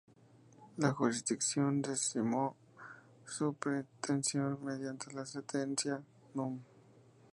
La jurisdicción desestimó su pretensión mediante la Sentencia núm.